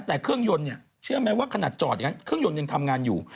แต่เครื่องยนต์เนี่ยเชื่อไหมว่าขนาดจอดอย่างนั้นเครื่องยนต์ยังทำงานอยู่